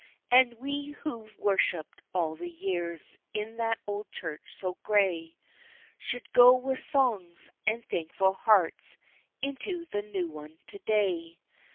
"And we who've worshipped all the years in that old church so gray, Should go with songs, and thankful hearts, into the new to day.